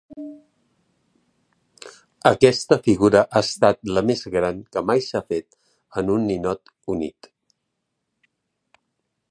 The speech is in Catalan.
Aquesta figura ha estat la més gran que mai s'ha fet en un ninot unit.